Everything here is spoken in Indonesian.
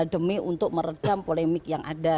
demi untuk meredam polemik yang ada